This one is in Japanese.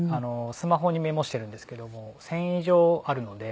スマホにメモしているんですけど１０００以上あるので。